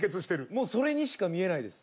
もうそれにしか見えないです。